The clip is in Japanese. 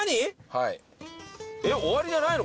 はいえっ終わりじゃないの？